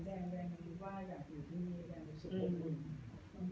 ตามแดงก่อนสว่างยาวรั้งเวลาอีก๑นิดสักครั้ง